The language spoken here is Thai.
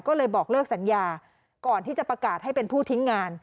ก็เลยบอกเลิกสัญญาก่อนที่จะประกาศให้เป็นผู้ทิ้งงาน